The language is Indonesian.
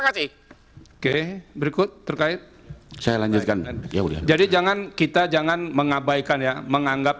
kasih oke berikut terkait saya lanjutkan ya jadi jangan kita jangan mengabaikan ya menganggap